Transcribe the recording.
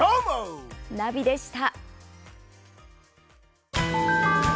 ナビでした。